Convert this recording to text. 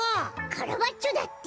カラバッチョだって。